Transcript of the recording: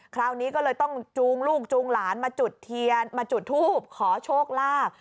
คราวนี้ก็เลยต้องจูงลูกจูงหลานมาจุดทูบขอโชคลาภ